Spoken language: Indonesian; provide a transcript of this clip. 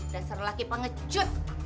dasar laki pengecut